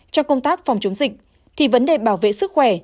trong công tác phòng chống dịch thì vấn đề bảo vệ sức khỏe